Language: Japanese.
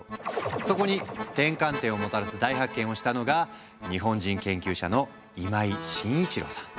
そこに転換点をもたらす大発見をしたのが日本人研究者の今井眞一郎さん。